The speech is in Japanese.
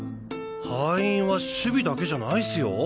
敗因は守備だけじゃないスよ。